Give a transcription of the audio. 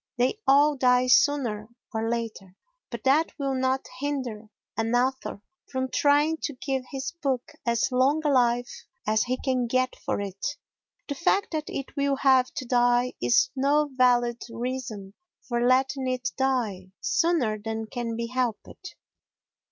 They all die sooner or later; but that will not hinder an author from trying to give his book as long a life as he can get for it. The fact that it will have to die is no valid reason for letting it die sooner than can be helped.